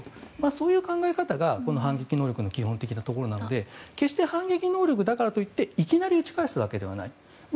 そういう考え方がこの反撃能力の基本的なところなので決して反撃能力だからといっていきなり撃ち返すわけではない。